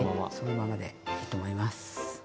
はいそのままでいいと思います。